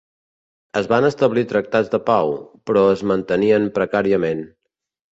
Es van establir tractats de pau, però es mantenien precàriament.